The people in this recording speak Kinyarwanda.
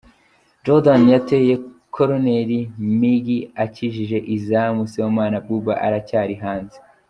Jordan yateye koroneri, Migi akijije izamu, Sibomana Abuba aracyari hanze.